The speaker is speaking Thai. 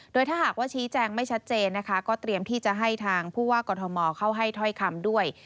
โดยถ้าหากว่าชี้แจงไม่ชัดเจนนะคะก็เตรียมที่จะให้ทางผู้ว่ากรทมเข้าให้ถ้อยคำด้วย